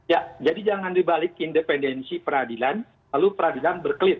ya jadi jangan dibalik independensi peradilan lalu peradilan berkelit